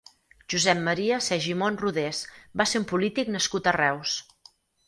Josep Maria Segimon Rodés va ser un polític nascut a Reus.